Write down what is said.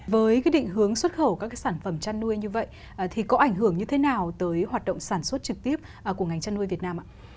với định hướng xuất khẩu các sản phẩm chăn nuôi như vậy thì có ảnh hưởng như thế nào tới hoạt động sản xuất trực tiếp của ngành chăn nuôi việt nam ạ